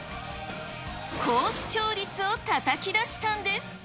高視聴率をたたき出したんです。